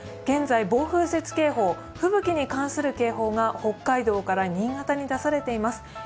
現在、暴風雪警報吹雪に関する警報が北海道から新潟に出されています。